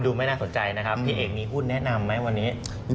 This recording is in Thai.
ไม่น่าสนใจนะครับพี่เอกมีหุ้นแนะนำไหมวันนี้